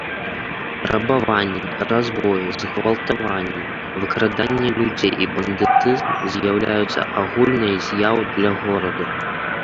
Рабаванні, разбоі, згвалтаванні, выкраданне людзей і бандытызм з'яўляюцца агульнай з'яў для горада.